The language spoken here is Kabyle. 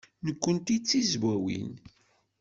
Nekkenti d Tizwawin.